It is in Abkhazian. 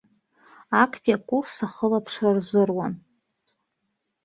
Актәи акурс ахылаԥшра рзыруан.